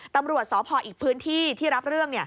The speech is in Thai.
ตำรวจสพอีกพื้นที่ที่รับเรื่อง